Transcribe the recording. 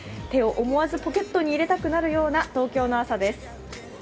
手を思わずポケットに入れたくなるような東京の朝です